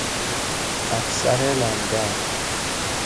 افسر لنگر